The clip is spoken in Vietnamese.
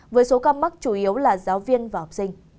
với số ca mắc chủ yếu là giáo viên và học sinh